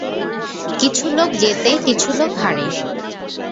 কিছু লোক জিতে, কিছু লোক হারে।